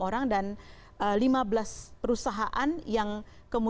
di sini sudah disampaikan sebagai hingga kini ada lima belas perusahaan yang diproses